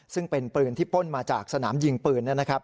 ซึ่งเป็นปืนที่ปล้นมาจากสนามยิงปืน